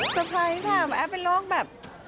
สุดท้ายค่ะแอปเป็นโลกแบบ